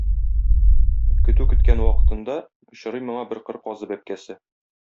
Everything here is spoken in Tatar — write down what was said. Көтү көткән вакытында очрый моңа бер кыр казы бәбкәсе.